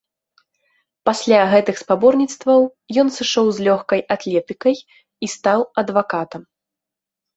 Пасля гэтых спаборніцтваў ён сышоў з лёгкай атлетыкай і стаў адвакатам.